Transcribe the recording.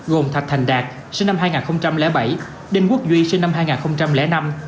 gồm thạch thành đạt sinh năm hai nghìn bảy đinh quốc duy sinh năm hai nghìn năm